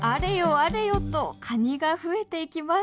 あれよとカニが増えていきます。